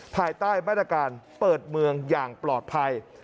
ภายใต้มาตรการเปิดเมืองอย่างปลอดภัย